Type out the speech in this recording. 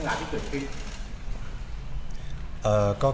เดี๋ยวกับเรื่องราวที่เกิดขึ้น